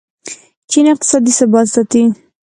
چین اقتصادي ثبات ساتي.